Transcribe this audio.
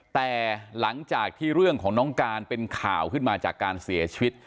แต่หลังจากที่เรื่องของน้องการเป็นข่าวขึ้นมาจากการเสียชีวิต